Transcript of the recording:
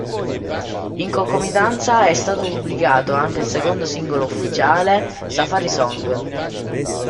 In concomitanza, è stato pubblicato anche il secondo singolo ufficiale, "Safari Song".